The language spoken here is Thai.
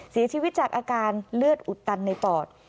เสียชีวิตจากอาการเลือดอุดตันในปอด